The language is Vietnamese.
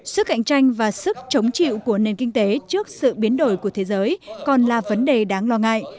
sức cạnh tranh và sức chống chịu của nền kinh tế trước sự biến đổi của thế giới còn là vấn đề đáng lo ngại